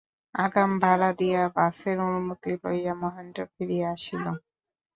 আগাম ভাড়া দিয়া বাসের অনুমতি লইয়া মহেন্দ্র ফিরিয়া আসিল।